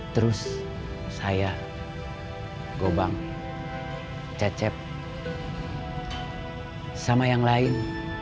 terus saya gobang cecep sama yang lain